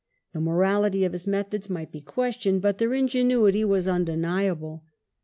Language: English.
The morality of his methods might be questioned, but their ingenuity was undeniable.